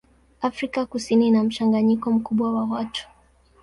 Afrika Kusini ina mchanganyiko mkubwa wa watu.